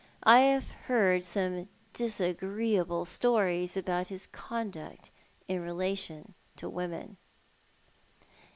I have heard some disagreeable stories about his conduct in relation to women."